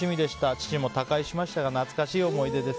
父も他界しましたが懐かしい思い出です。